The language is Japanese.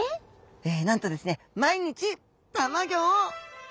なんとですね毎日たまギョを産める！